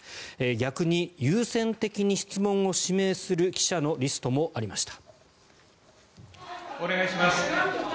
逆に優先的に質問を指名する記者のリストもありました。